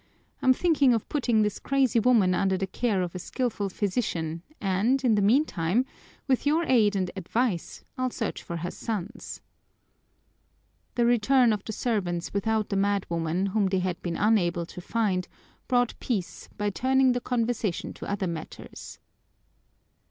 I'm thinking of putting this crazy woman under the care of a skilful physician and, in the meantime, with your aid and advice, I'll search for her sons." The return of the servants without the madwoman, whom they had been unable to find, brought peace by turning the conversation to other matters.